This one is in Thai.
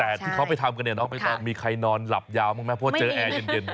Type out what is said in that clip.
แต่ที่เขาไปทำกันเนี่ยมีใครนอนหลับยาวบ้างมั้ยเพราะว่าเจอแอร์เย็น